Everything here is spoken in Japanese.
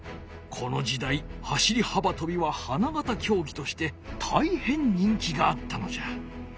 この時代走り幅とびは花形きょうぎとしてたいへん人気があったのじゃ。